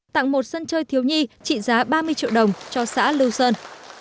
tặng một sân chơi thiếu nhi trị giá ba mươi triệu đồng cho xã lưu sơn